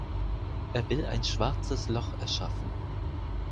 Er will ein Schwarzes Loch erschaffen.